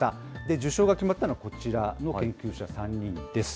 受賞が決まったのはこちらの研究者３人です。